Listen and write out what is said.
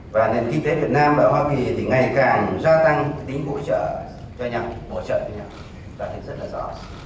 và nền kinh tế việt nam và hoa kỳ thì ngày càng gia tăng tính bổ trợ cho nhau bổ trợ cho nhau đã được rất là rõ